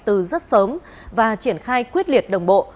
từ rất sớm và triển khai quyết liệt đồng bộ